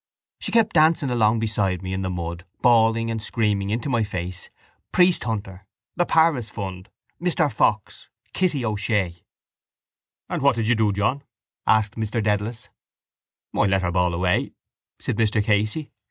She kept dancing along beside me in the mud bawling and screaming into my face: Priesthunter! The Paris Funds! Mr Fox! Kitty O'Shea! —And what did you do, John? asked Mr Dedalus. —I let her bawl away, said Mr Casey.